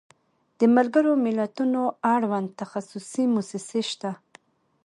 د ملګرو ملتونو اړوند تخصصي موسسې شته.